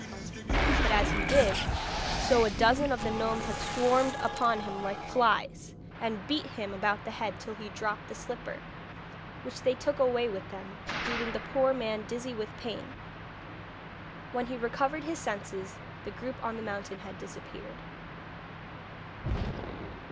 But as he did so a dozen of the gnomes had swarmed upon him like flies, and beat him about the head till he dropped the slipper, which they took away with them, leaving the poor man dizzy with pain. When he recovered his senses the group on the mountain had disappeared.